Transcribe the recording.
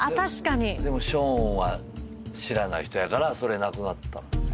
でもショーンは知らない人やからそれなくなったね。